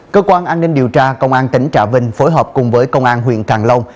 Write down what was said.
cơ quan an ninh điều tra công an tỉnh trà vinh phối hợp cùng với công an huyện càng long